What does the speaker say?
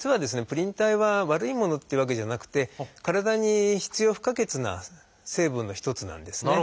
プリン体は悪いものっていうわけじゃなくて体に必要不可欠な成分の一つなんですね。